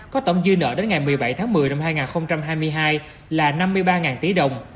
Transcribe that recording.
có tổng dư nợ đến ngày một mươi bảy tháng một mươi năm hai nghìn hai mươi hai là năm mươi ba tỷ đồng